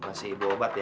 masih ibu obat ya